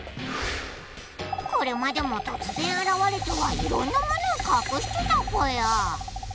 これまでもとつ然現れてはいろんなものをかくしてたぽよ。